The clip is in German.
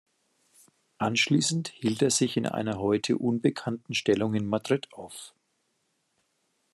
Anschließend hielt er sich in einer heute unbekannten Stellung in Madrid auf.